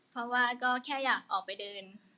เพราะว่าก็แค่อยากออกไปเดิน